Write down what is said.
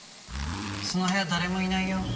その部屋誰もいないよ。